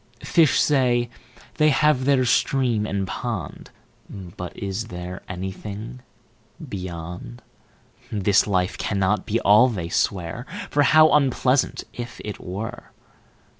5Fish say, they have their Stream and Pond;6But is there anything Beyond?7This life cannot be All, they swear,8For how unpleasant, if it were!